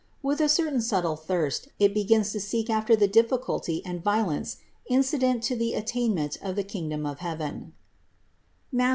With a certain subtle thirst it begins to seek after all the difficulty and violence incident to the attainment of the kingdom of heaven (Matth.